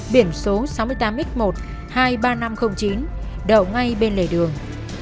biển số sáu mươi tám x một hai mươi ba nghìn năm trăm linh chín đậu ngay bên lề đường